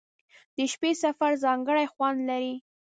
• د شپې سفر ځانګړی خوند لري.